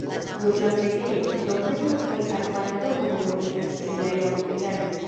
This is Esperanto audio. Nur la preĝejo, tombejo kaj arbara domo memorigas pri la iama vilaĝo.